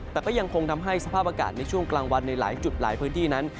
แต่ก็ยังคงทำให้สภาพอากาศในช่วงกลางวันในหลายจุดหลายพื้นที่นั้น